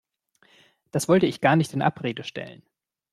Das wollte ich gar nicht in Abrede stellen.